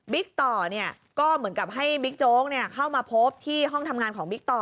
ต่อก็เหมือนกับให้บิ๊กโจ๊กเข้ามาพบที่ห้องทำงานของบิ๊กต่อ